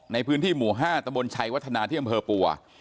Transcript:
ในพื้นที่หมู่๕ตะบนชัยวัฒนาที่อำเภอปัว